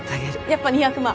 やっぱ２００万。